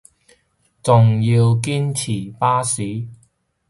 仲要堅持巴士